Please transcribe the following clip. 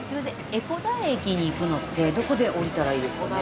江古田駅に行くのってどこで降りたらいいですかね？